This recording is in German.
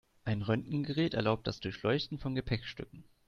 Ein Röntgengerät erlaubt das Durchleuchten von Gepäckstücken.